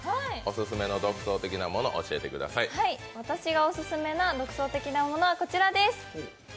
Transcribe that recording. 私がオススメの独創的なものはこちらです。